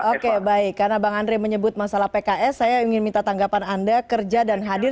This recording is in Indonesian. oke baik karena bang andre menyebut masalah pks saya ingin minta tanggapan anda kerja dan hadir